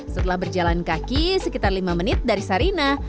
setelah berjalan kaki sekitar lima menit dari sarina